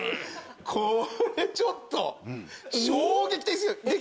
これちょっと衝撃的ですよね。